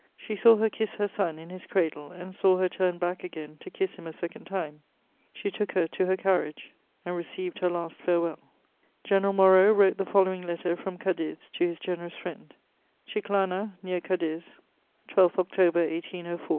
She saw her kiss her son in his cradle and saw her turn back again to kiss him a second time; she took her to her carriage, and received her last farewell. [Sidenote: Letter from General Moreau.] General Moreau wrote the following letter from Cadiz to his generous friend: "CHICLANA (near Cadiz), 12 October 1804.